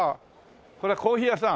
これはコーヒー屋さん？